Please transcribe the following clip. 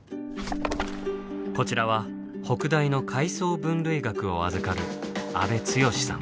こちらは北大の海藻分類学をあずかる阿部剛史さん。